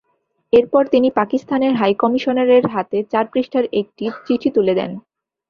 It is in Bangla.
এরপর তিনি পাকিস্তানের হাইকমিশনারের হাতে চার পৃষ্ঠার একটি চিঠি তুলে দেন।